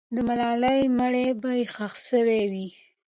د ملالۍ مړی به ښخ سوی وي.